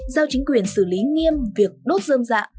giao chính quyền xử lý nghiêm việc đốt dơm dạ